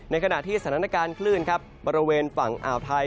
ขณะที่สถานการณ์คลื่นครับบริเวณฝั่งอ่าวไทย